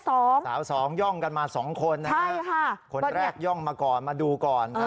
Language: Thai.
สาวสองย่องกันมาสองคนนะฮะคนแรกย่องมาก่อนมาดูก่อน